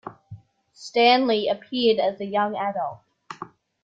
Stanley appeared as a young adult.